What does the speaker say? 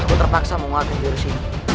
aku terpaksa menguatkan virus ini